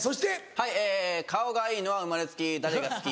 はい顔がいいのは生まれつき誰が好き？